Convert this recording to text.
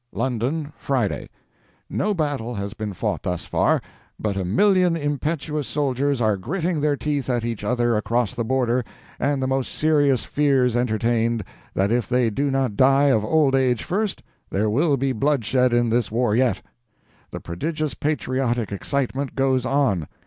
LONDON, Friday. No battle has been fought thus far, but a million impetuous soldiers are gritting their teeth at each other across the border, and the most serious fears entertained that if they do not die of old age first, there will be bloodshed in this war yet. The prodigious patriotic excitement goes on.